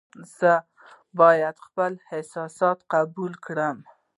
زه باید خپل احساسات قابو کړم.